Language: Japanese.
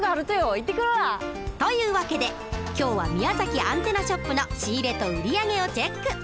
行ってくら！という訳で今日は宮崎アンテナショップの仕入れと売り上げをチェック。